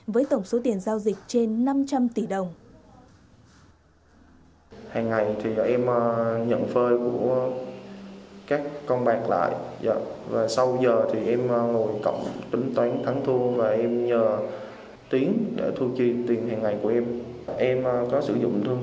với tổng số tiền giao dịch trên năm trăm linh tỷ đồng